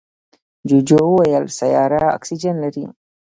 جوجو وویل سیاره اکسیجن لري.